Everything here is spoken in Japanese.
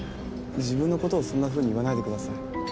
自分の事をそんなふうに言わないでください。